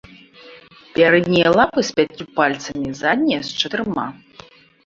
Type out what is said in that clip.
Пярэднія лапы з пяццю пальцамі, заднія з чатырма.